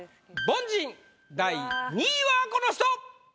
凡人第２位はこの人！